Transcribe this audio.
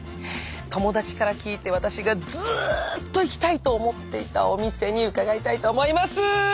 友達から聞いて私がずっと行きたいと思っていたお店に伺いたいと思います。